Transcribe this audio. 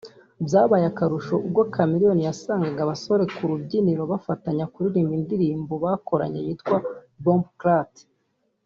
Byabaye akarusho ubwo Chameleone yasangaga aba basore ku rubyiniro bafatanya kuririmba indirimbo bakoranye yitwa ‘Bomboclat’